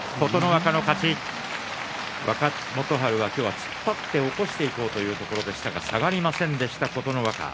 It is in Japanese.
若元春は今日は突っ張って起こしていこうというところでしたけども下がりませんでした、琴ノ若。